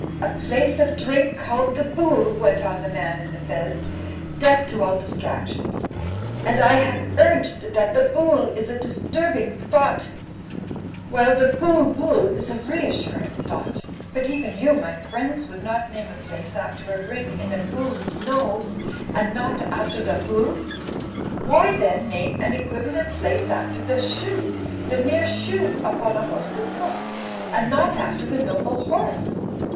"A place of drink called the Bool," went on the man in the fez, deaf to all distractions, "and I have urged that the Bool is a disturbing thought, while the Bul Digitized by CjOOQIC THE SIGN OF 'THE OLD SHIP' 39 Bui IS a reassuring thought. But even you my friends, would not name a place after a ring in a BooFs nose and not after the Bool? Why then name an equiva lent place after the shoo, the mere shoo, upon a horse's hoof, and not after the noble horse?